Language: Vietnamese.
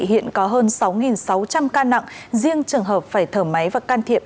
hiện có hơn sáu sáu trăm linh ca nặng riêng trường hợp phải thở máy và can thiệp